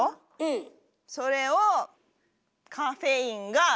それをカフェインが。